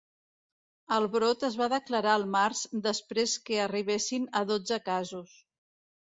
El brot es va declarar al març després que arribessin a dotze casos.